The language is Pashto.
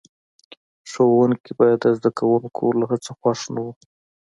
ښوونکي به د زده کوونکو له هڅو خوښ نه وو.